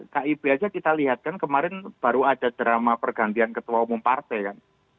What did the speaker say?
kib aja kita lihat kan kemarin baru ada drama pergantian ketua umum partai kan